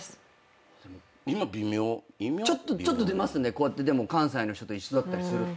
こうやって関西の人と一緒だったりすると。